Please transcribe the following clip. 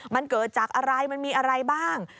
มันเกิดจากอะไรมันมีอะไรบ้าง